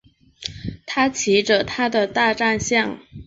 他骑着他的大战象。